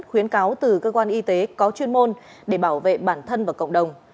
khuyến cáo từ cơ quan y tế có chuyên môn để bảo vệ bản thân và cộng đồng